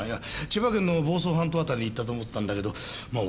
千葉県の房総半島辺りに行ったと思ってたんだけどまあ